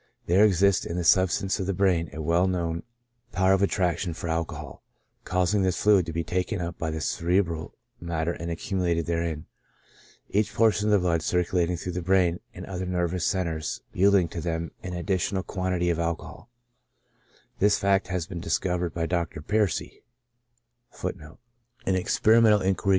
There exists in the substance of the brain a well known power of attrac tion for alcohol, causing this fluid to be taken up by the cerebral matter and accumulated therein, each portion of blood circulating through the brain and other nervous cen tres yielding to them an additional quantity of alcohoL This fact has been discovered by Dr. Percy,f and confirmed by Messrs. Lallemand, Perrin, and Duroy.